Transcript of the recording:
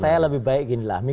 saya lebih baik ginilah